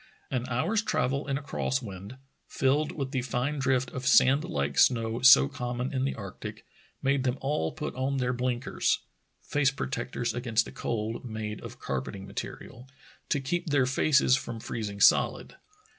An hour's travel in a cross wind — filled with the fine drift of sand like snow so common in the arctic — made them all put on their blinkers (face protectors against the cold, made of carpeting material) to keep their faces from freezing solid.